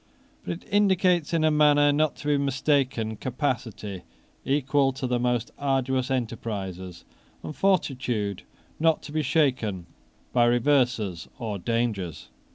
But it indicates in a manner not to be mistaken capacity equal to the most arduous enterprises, and fortitude not to be shaken by reverses or dangers.